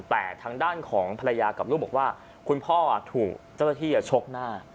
แต่ทางด้านของภรรยากับลูกบอกว่าคุณพ่อถูกเจ้าหน้าที่ชกหน้า